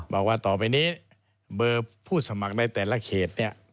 บอกว่าต่อไปนี้เบอร์ผู้สมัครในแต่ละเขตเนี่ย